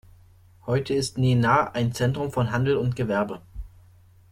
Heute ist Nenagh ein Zentrum von Handel und Gewerbe.